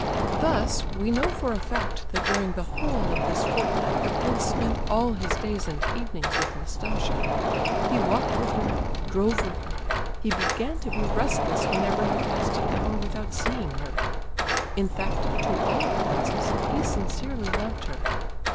Thus, we know for a fact that during the whole of this fortnight the prince spent all his days and evenings with Nastasia; he walked with her, drove with her; he began to be restless whenever he passed an hour without seeing her—in fact, to all appearances, he sincerely loved her.